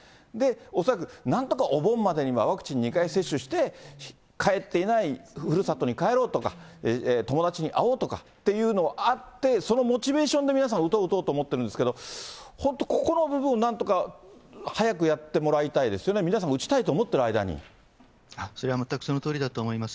恐らくなんとかお盆までにはワクチン２回接種して、帰っていないふるさとに帰ろうとか、友達に会おうとかっていうのがあって、そのモチベーションで皆さん、打とう、打とうって思ってるんですけど、本当、ここの部分をなんとか早くやってもらいたいですよね、皆さんも打ちたいと思っそれは全くそのとおりだと思います。